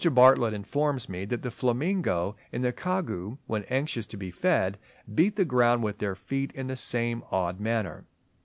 Bartlett informs me that the Flamingo and the Kagu (Rhinochetus jubatus) when anxious to be fed, beat the ground with their feet in the same odd manner.